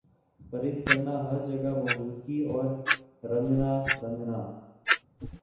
پرند کرنا ہَر جگہ موجودگی اور رنگنا رنگنا